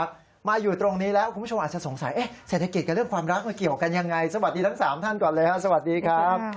เกี่ยวกันยังไงสวัสดีทั้ง๓ท่านก่อนเลยฮะสวัสดีครับ